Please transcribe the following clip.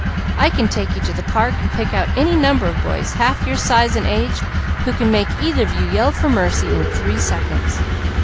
I can take you to the park and pick out any number of boys half your size and age who can make either of you yell for mercy in three seconds.